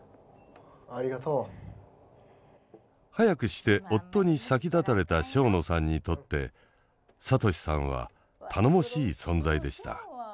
ありがとう。早くして夫に先立たれた庄野さんにとって聡さんは頼もしい存在でした。